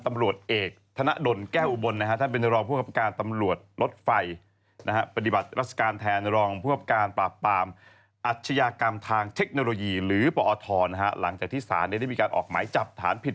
อัจฉยากรรมทางเทคโนโลยีหรือปอทรหลังจากที่สารได้มีการออกหมายจับฐานผิด